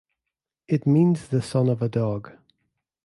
It means the son of a dog.